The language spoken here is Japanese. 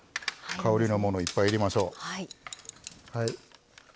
香りのものをいっぱい入れましょう。